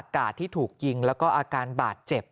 กาดที่ถูกยิงแล้วก็อาการบาดเจ็บ